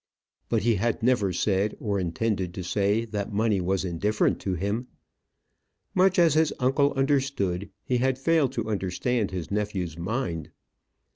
But he had never said, or intended to say, that money was indifferent to him. Much as his uncle understood, he had failed to understand his nephew's mind.